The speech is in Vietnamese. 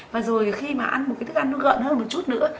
và rồi khi mà ăn một cái thức ăn nó gợn hơn một chút nữa